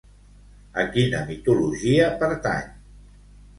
A quina mitologia pertany?